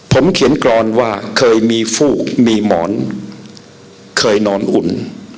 ผมเขียนกรอนว่าเคยมีฟูกมีหมอนเคยนอนอุ่น